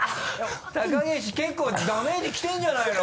高岸結構ダメージきてるんじゃないの？